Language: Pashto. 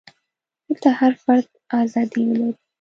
دلته هر فرد ازادي ولري.